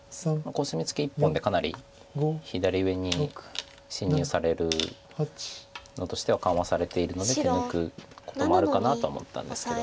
コスミツケ１本でかなり左上に侵入されるのとしては緩和されているので手抜くこともあるかなとは思ったんですけど。